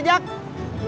terima kasih pak